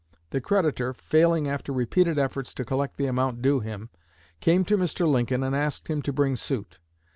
The creditor, failing after repeated efforts to collect the amount due him, came to Mr. Lincoln and asked him to bring suit.